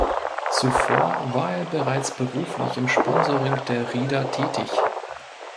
Zuvor war er bereits beruflich im Sponsoring der Rieder tätig.